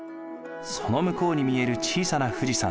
その向こうに見える小さな富士山。